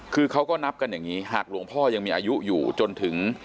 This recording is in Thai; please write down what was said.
คือเขาก็นับกันอย่างนี้หากหลวงพ่อยังมีอายุอยู่จนถึง